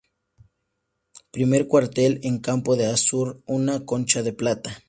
Primer cuartel, en campo de azur, una concha de plata.